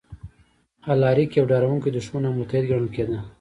الاریک یو ډاروونکی دښمن او متحد ګڼل کېده